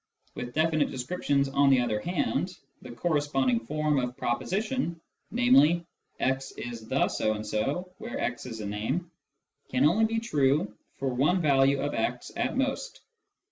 With definite descriptions, on the other hand, the corresponding form of proposition, namely, " x is the so and so " (where " x " is a name), can only be true for one value of x at most.